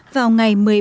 vào ngày một mươi ba